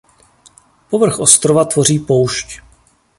Povrch ostrova tvoří poušť.